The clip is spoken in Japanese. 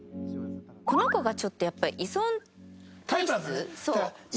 この子がちょっとやっぱり依存体質？